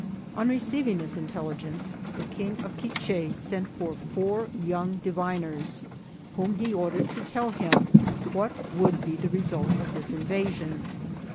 On receiving this intelligence, the King of Quiche sent for four young diviners, whom he ordered to tell him what would be the result of this invasion.